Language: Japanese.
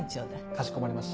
かしこまりました。